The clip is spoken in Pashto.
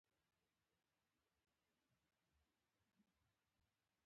د دې قوم ژوند پر کرنه ولاړ و او نباتات یې کرل.